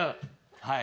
はい。